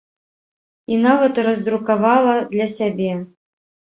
І нават раздрукавала для сябе.